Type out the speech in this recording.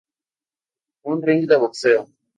Un ring de boxeo.